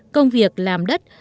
công việc làm đất